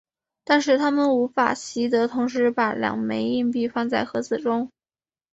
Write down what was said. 但是它们无法习得同时把两枚硬币放到盒子中。